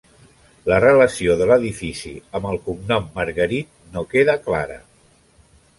La relació de l'edifici amb el cognom Margarit no queda clara.